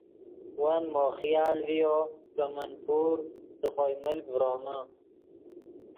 ون مو خیال ڤیو کہ من پور دے خوئے ملک ڤرومے